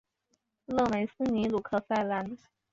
勒梅斯尼鲁克塞兰。